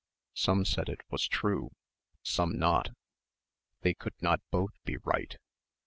Some said it was true ... some not. They could not both be right.